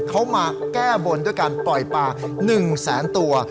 เขามาแก้บนด้วยการปล่อยปลา๑แสนตัว